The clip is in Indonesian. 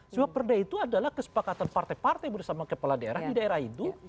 sebab perda itu adalah kesepakatan partai partai bersama kepala daerah di daerah itu